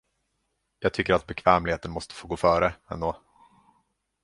Jag tycker att bekvämligheten måste gå före, ändå.